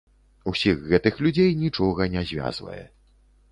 Усіх гэтых людзей нічога не звязвае.